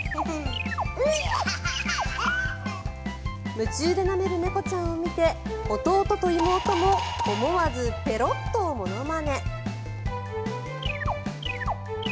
夢中でなめる猫ちゃんを見て弟と妹も思わずペロッとものまね。